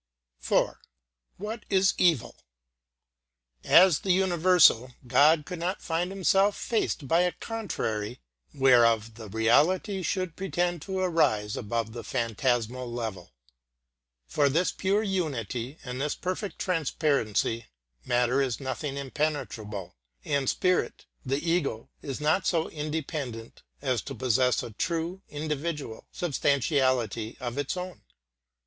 IV. What is Evil? As the universal, God could not find Himself faced by a contrary whereof the reality should pretend to rise above the phantasmal level. For this pure unity and this perfect transparency matter is nothing impenetrable, and spirit, the ego, is not so independent as to possess a true, individual, substantiality of its own.